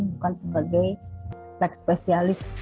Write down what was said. bukan sebagai teks spesialis